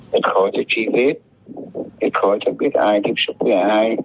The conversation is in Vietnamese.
hết khó cho trí viết hết khó cho biết ai tiếp xúc với ai